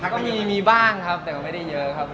ก็มีบ้างครับแต่ก็ไม่ได้เยอะครับ